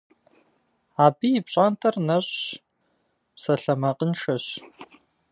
Абы и пщӏантӏэр нэщӏщ, псалъэмакъыншэщ…